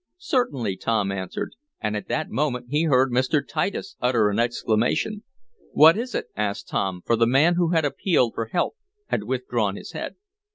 "Certainly," Tom answered, and at that moment he heard Mr. Titus utter an exclamation. "What is it?" asked Tom, for the man who had appealed for help, had withdrawn his head.